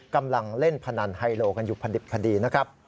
กำลังเล่นพนันไฮโลกันอยู่พอดิบพอดีนะครับ